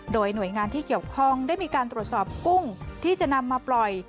โดยหน่วยงานที่เกี่ยวข้องได้มีการตรวจสอบกุ้งที่จะนำมาปล่อย